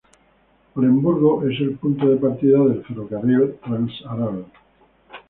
Oremburgo es el punto de partida del Ferrocarril Trans-Aral.